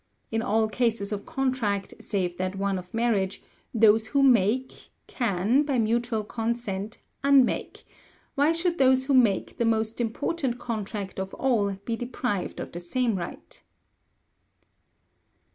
In all cases of contract, save that of marriage, those who make can, by mutual consent, unmake; why should those who make the most important contract of all be deprived of the same right?